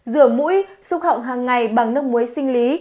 rửa mũi xúc họng hàng ngày bằng nước muối sinh lý